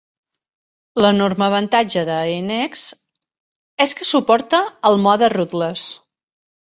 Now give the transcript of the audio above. L'enorme avantatge de NX és que suporta el mode "rootless".